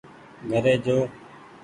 گهري جو